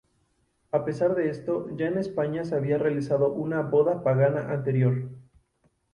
A pesar de esto, ya en España se había realizado una boda pagana anterior.